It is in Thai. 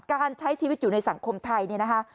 การใช้ชีวิตอยู่ในสังคมไทยเนี่ยนะคะ